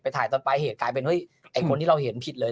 ไปถ่ายตอนปลายเหตุการณ์กลายเป็นไอ้คนที่เราเห็นผิดเลย